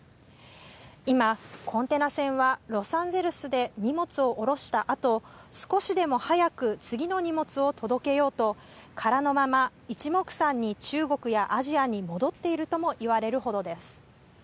今、コンテナ船はロサンゼルスで荷物を降ろしたあと、少しでも早く次の荷物を届けようと、空のまま、いちもくさんに中国やアジアに戻っているともいわれるほどです。